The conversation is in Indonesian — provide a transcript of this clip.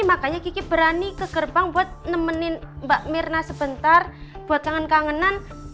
makanya kiki berani ke gerbang buat nemenin mbak mirna sebentar buat kangen kangenan